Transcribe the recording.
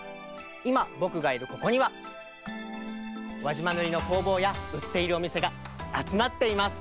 いまぼくがいるここには輪島塗の工房やうっているおみせがあつまっています！